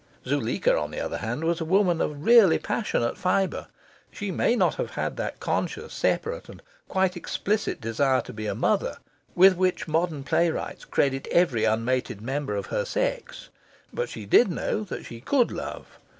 Zuleika, on the other hand, was a woman of really passionate fibre. She may not have had that conscious, separate, and quite explicit desire to be a mother with which modern playwrights credit every unmated member of her sex. But she did know that she could love.